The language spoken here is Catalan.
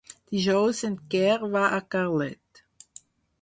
Dijous en Quer va a Carlet.